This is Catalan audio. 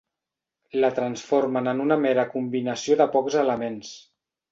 La transformen en una mera combinació de pocs elements.